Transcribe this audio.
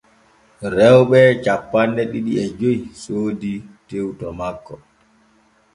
Rewɓe cappanɗe ɗiɗi e joy soodi tew to makko.